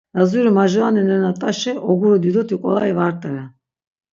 Lazuri majurani nena rt̆aşi, oguru didoti ǩolai va rt̆eren.